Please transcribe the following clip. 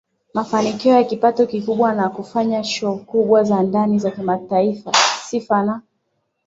mafanikio ya kipato kikubwa na kufanya shoo kubwa za ndani na kimataifa Sifa na